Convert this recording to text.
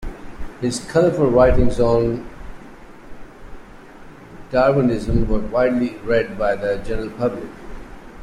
His colourful writings on Darwinism were widely read by the general public.